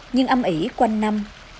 nhưng âm ỉ quanh năm